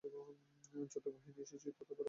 যত গহীনে এসেছি ততই বড় হয়ে যাচ্ছিল পথের পাথর।